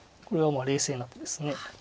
これは冷静な手です。